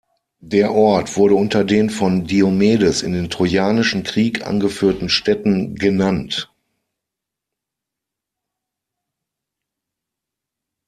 Der Ort wurde unter den von Diomedes in den Trojanischen Krieg angeführten Städten genannt.